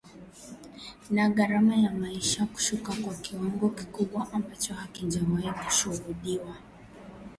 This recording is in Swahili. na gharama ya maisha kushuka kwa kiwango kikubwa ambacho hakijawahi kushuhudiwa